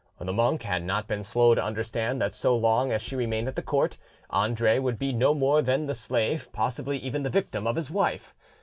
The monk had not been slow to understand that so long as she remained at the court, Andre would be no more than the slave, possibly even the victim, of his wife.